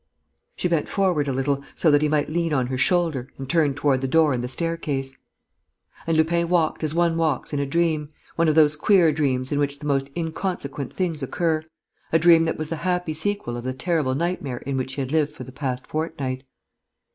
She bent forward a little, so that he might lean on her shoulder, and turned toward the door and the staircase. And Lupin walked as one walks in a dream, one of those queer dreams in which the most inconsequent things occur, a dream that was the happy sequel of the terrible nightmare in which he had lived for the past fortnight.